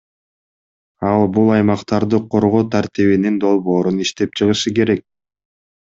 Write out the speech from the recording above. Ал бул аймактарды коргоо тартибинин долбоорун иштеп чыгышы керек.